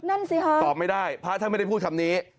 นั่นสิค่ะตอบไม่ได้พระท่านไม่ได้พูดคำนี้